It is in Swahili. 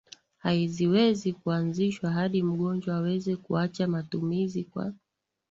Haziwezi kuanzishwa hadi mgonjwa aweze kuacha matumizi kwa